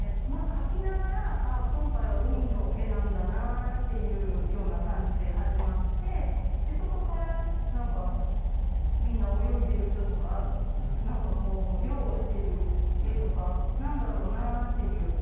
まあ描きながらああ今回は海の絵なんだなっていうような感じで始まってでそこから何かみんな泳いでる人とか何か漁をしてる絵とか何だろうなっていう。